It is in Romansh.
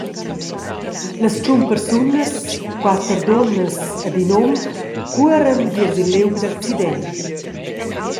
Las tschun persunas, quater dunnas ed in um, cuoran viers il liug d’accident.